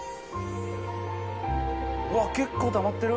うわ結構たまってる。